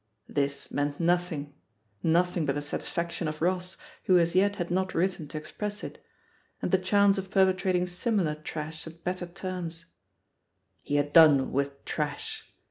ThiS meant nothing — ^nothing but the satisfac tion of Ross, who as yet had not written to ex press it, and the chance of perpetrating similar trash at better terms. He had done with trash.